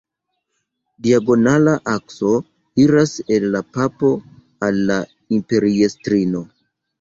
Diagonala akso iras el la papo al la imperiestrino.